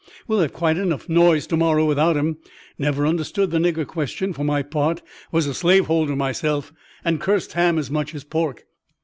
Well have quite enough noise to morrow without 'em. Never understood the nigger question, for my part: was a slave holder myself, and cursed Ham as much as pork."